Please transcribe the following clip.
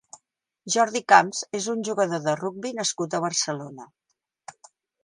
Jordi Camps és un jugador de rugbi nascut a Barcelona.